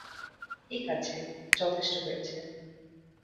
ঠিক আছে, যথেষ্ট হয়েছে।